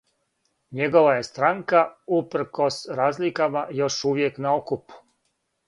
Његова је странка, упркос разликама, још увијек на окупу.